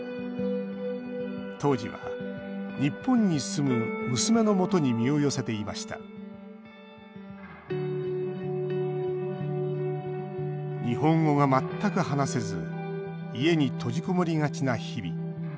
当時は日本に住む娘のもとに身を寄せていました日本語が全く話せず家に閉じこもりがちな日々。